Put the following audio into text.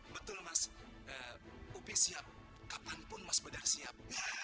betul mas upi siap kapan pun mas badar siap